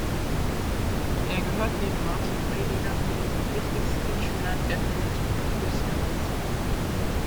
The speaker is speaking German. Er gehört neben Martin Heidegger zu den wichtigsten Schülern Edmund Husserls.